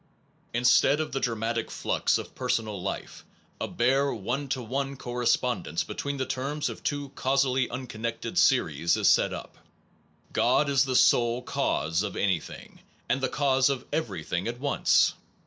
Instead of the dramatic flux of per sonal life, a bare one to one correspondence between the terms of two causally uncon nected series is set up. God is the sole cause of anything, and the cause of everything at once.